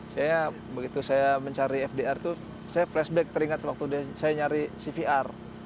saya begitu saya mencari fdr itu saya flashback teringat waktu saya nyari cvr